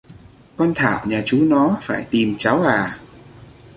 Con Thảo nhà chú nó phải tìm cháu à